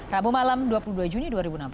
rabu malam dua puluh dua juni dua ribu enam belas